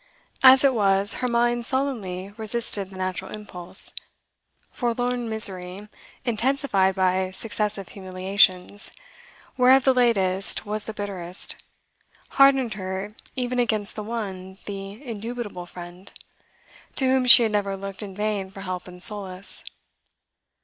As it was, her mind sullenly resisted the natural impulse. Forlorn misery, intensified by successive humiliations, whereof the latest was the bitterest, hardened her even against the one, the indubitable friend, to whom she had never looked in vain for help and solace.